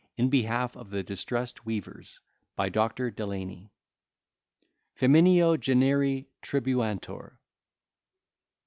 IN BEHALF OF THE DISTRESSED WEAVERS. BY DR. DELANY. Femineo generi tribuantur.